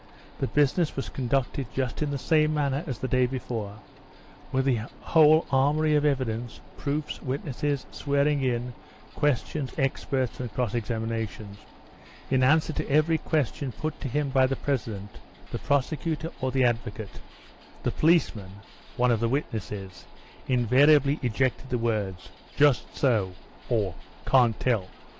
The business was conducted just in the same manner as the day before, with the whole armoury of evidence, proofs, witnesses, swearing in, questions, experts, and cross examinations. In answer to every question put to him by the president, the prosecutor, or the advocate, the policeman (one of the witnesses) in variably ejected the words: "just so," or "Can't tell."